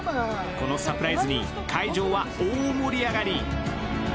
このサプライズに会場は大盛り上がり。